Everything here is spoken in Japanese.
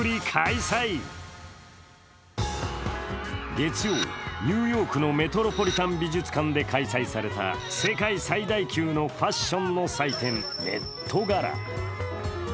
日曜、ニューヨークのメトロポリタン美術館で開催された世界最大級のファッションの祭典、メット・ガラ。